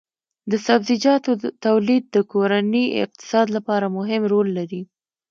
د سبزیجاتو تولید د کورني اقتصاد لپاره مهم رول لري.